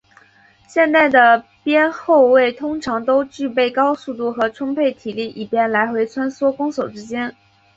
现代的边后卫通常都具备高速度和充沛体力以便来回穿梭攻守之间。